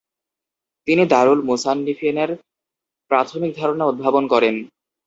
তিনি দারুল মুসান্নিফীনের প্রাথমিক ধারণা উদ্ভাবন করেন।